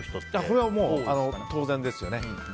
これは当然ですよね。